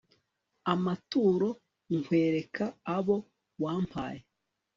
amaturo, nkwereka abo wampaye